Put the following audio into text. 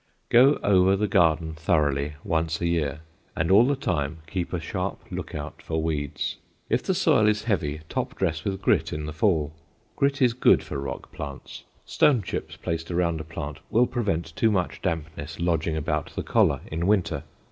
Go over the garden thoroughly once a year and all the time keep a sharp lookout for weeds. If the soil is heavy, top dress with grit in the fall. Grit is good for rock plants. Stone chips placed around a plant will prevent too much dampness lodging about the collar in winter.